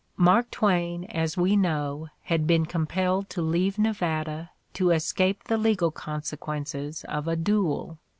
Mark Twain, as we know, had been compelled to leave Nevada to escape the legal con sequences of a duel.